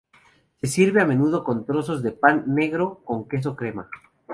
Se sirve a menudo con trozos de pan negro con queso crema.